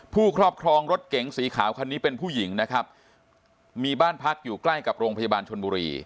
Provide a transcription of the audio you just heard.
ครอบครองรถเก๋งสีขาวคันนี้เป็นผู้หญิงนะครับมีบ้านพักอยู่ใกล้กับโรงพยาบาลชนบุรี